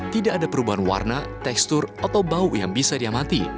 tidak ada perubahan warna tekstur atau bau yang bisa diamati